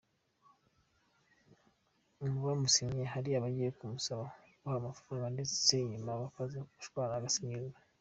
Mu bamusinyiye hari abagiye bamusaba kubaha amafaranga ndetse nyuma bakaza gushwana agasinyura.